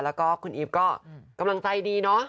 แล้วก็คุณอีฟก็กำลังใจดีเนาะ